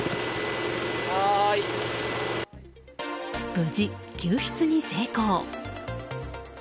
無事、救出に成功。